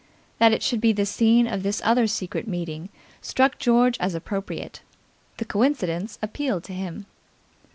That it should be the scene of this other secret meeting struck George as appropriate. The coincidence appealed to him.